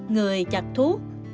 người chặt thuốc